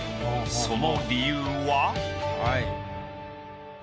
その理由は？